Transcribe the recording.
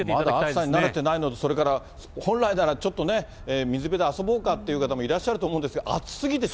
まだ暑さに慣れてないので、それから本来なら、ちょっとね、水辺で遊ぼうかという方もいらっしゃると思うんですが、暑すぎて。